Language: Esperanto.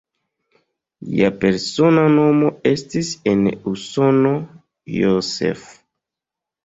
Lia persona nomo estis en Usono "Joseph".